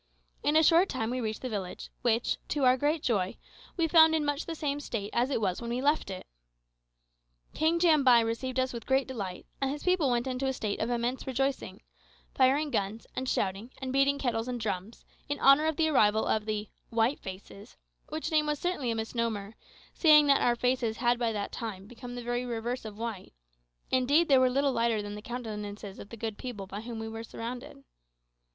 In a short time we reached the village, which, to our great joy, we found in much the same state as it was when we left it. King Jambai received us with great delight, and his people went into a state of immense rejoicing firing guns, and shouting, and beating kettles and drums, in honour of the arrival of the "white faces;" which name was certainly a misnomer, seeing that our faces had by that time become the very reverse of white indeed they were little lighter than the countenances of the good people by whom we were surrounded.